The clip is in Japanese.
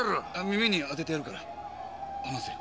「耳に当ててやるから話せ。